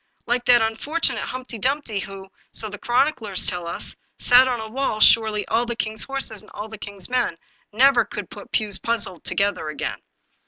Like that unfortu nate Humpty Dumpty, who, so the chroniclers tell us, sat on a wall, surely " all the king's horses and all the king's men " never could put Pugh's puzzle together again